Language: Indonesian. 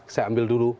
saya ambil dulu